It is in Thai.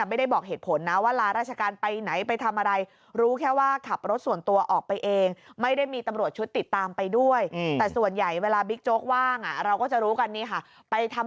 ไม่ได้บอกเหตุผลนะว่าราชการไป